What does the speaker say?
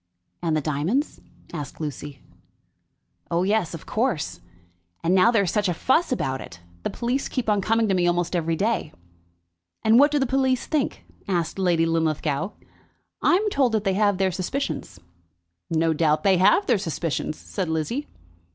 "And the diamonds?" asked Lucy. "Oh yes; of course. And now there is such a fuss about it! The police keep on coming to me almost every day." "And what do the police think?" asked Lady Linlithgow. "I'm told that they have their suspicions." "No doubt they have their suspicions," said Lizzie.